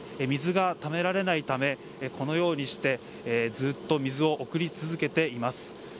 水がためられないためこのようにしてずっと水を送り続けています。